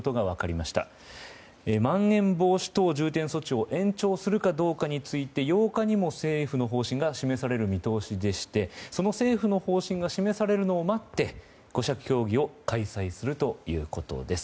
まん延防止等重点措置を延長するかどうかについて８日にも政府の方針が示される見通しでしてその政府の方針が示されるのを待って５者協議を開催するということです。